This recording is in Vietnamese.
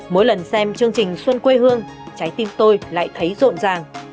mỗi lần xem chương trình xuân quê hương trái tim tôi lại thấy rộn ràng